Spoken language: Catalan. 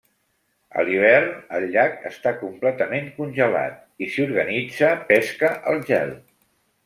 A l'hivern, el llac està completament congelat, i s'hi organitza pesca al gel.